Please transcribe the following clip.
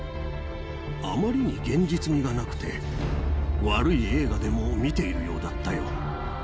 あまりに現実味がなくて、悪い映画でも見ているようだったよ。